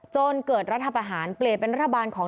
จนเกิดรัฐประหารเปลี่ยนเป็นรัฐบาลของ